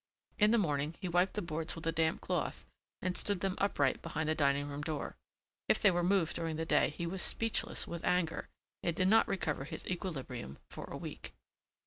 In the morning he wiped the boards with a damp cloth and stood them upright behind the dining room door. If they were moved during the day he was speechless with anger and did not recover his equilibrium for a week.